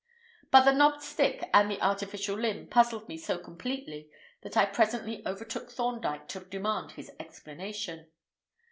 But the knobbed stick and the artificial limb puzzled me so completely that I presently overtook Thorndyke to demand an explanation.